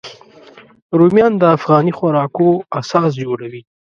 رومیان د افغاني خوراکو اساس جوړوي